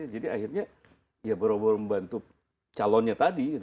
jadi akhirnya ya boro boro membantu calonnya tadi